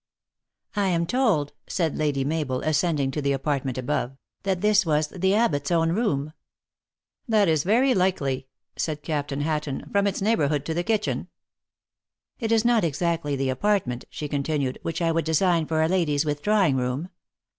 "I am told," said Lady Mabel, ascending to the apartment above, " that this was the abbot s own room." "That is very likely," said Captain Hatton, "from its neighborhood to the kitchen." " It is not exactly the apartment," she continued, " which I would design for a lady s withdrawing room.